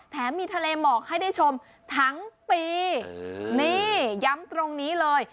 มีทะเลหมอกให้ได้ชมทั้งปีนี่ย้ำตรงนี้เลย